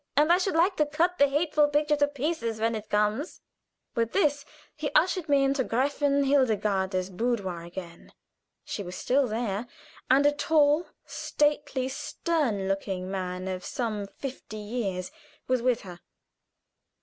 "And I should like to cut the hateful picture to pieces when it comes." With this he ushered me into Gräfin Hildegarde's boudoir again. She was still there, and a tall, stately, stern looking man of some fifty years was with her.